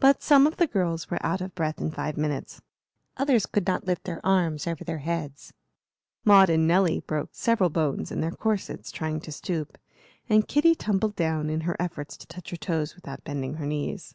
But some of the girls were out of breath in five minutes; others could not lift their arms over their heads; Maud and Nelly broke several bones in their corsets, trying to stoop; and Kitty tumbled down, in her efforts to touch her toes without bending her knees.